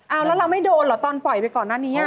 เอาแล้วเราไม่โดนเหรอตอนปล่อยไปก่อนหน้านี้